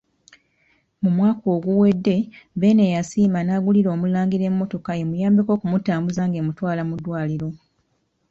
Mu mwaka oguwedde Beene yasiima n'agulira Omulangira emmotoka emuyambeko okumutambuza ng'emutwala mu ddwaliro.